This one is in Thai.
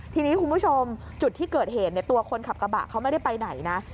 ทีนี้คุณผู้ชมจุดที่เกิดเหตุตัวคนขับกระบะเขาไม่ได้ไปไหนนะ